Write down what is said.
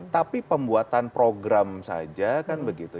tapi pembuatan program saja kan begitu